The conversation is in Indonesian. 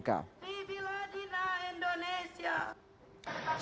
di viladina indonesia